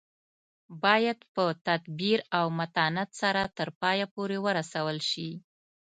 باید په تدبیر او متانت سره تر پایه پورې ورسول شي.